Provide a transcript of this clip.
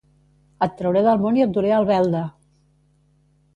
Et trauré del món i et duré a Albelda!